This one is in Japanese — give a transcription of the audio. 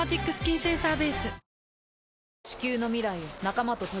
センサーベース」